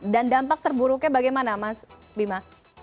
dan dampak terburuknya bagaimana mas bima